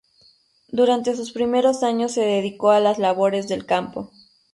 Durante sus primeros años se dedicó a las labores del campo.